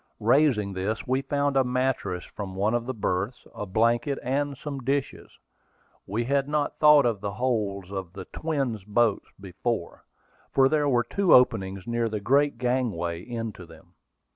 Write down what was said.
Raising this, we found a mattress from one of the berths, a blanket, and some dishes. We had not thought of the holds of the twin boats before, for there were two openings near the great gangway into them.